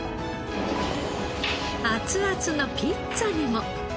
熱々のピッツァにも。